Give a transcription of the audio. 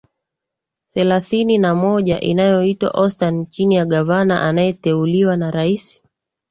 thelathini na moja inayoitwa ostan chini ya gavana anayeteuliwa na rais